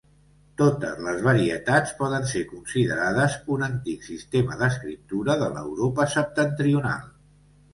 Totes les varietats poden ser considerades un antic sistema d'escriptura de l'Europa septentrional.